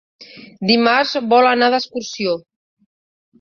Dimarts vol anar d'excursió.